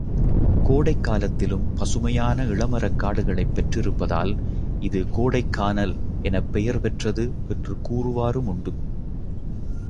கோடைக் காலத்திலும் பசுமையான இளமரக்காடுகளைப் பெற்றிருப்பதால், இது கோடைக்கானல் எனப் பெயர் பெற்றது என்று கூறுவாருமுண்டு.